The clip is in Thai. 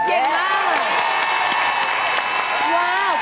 เยี่ยมมาก